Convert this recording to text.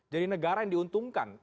jadi negara yang diuntungkan